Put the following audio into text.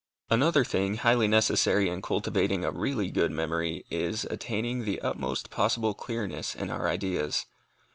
Another thing highly necessary in cultivating a really good memory, is attaining the utmost possible clearness in our ideas.